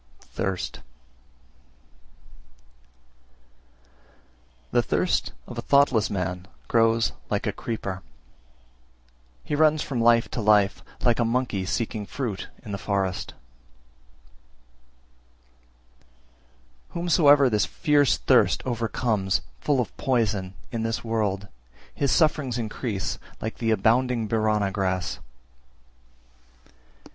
Thirst 334. The thirst of a thoughtless man grows like a creeper; he runs from life to life, like a monkey seeking fruit in the forest. 335. Whomsoever this fierce thirst overcomes, full of poison, in this world, his sufferings increase like the abounding Birana grass. 336.